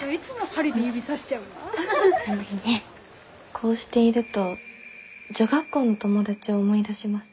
こうしていると女学校の友達を思い出します。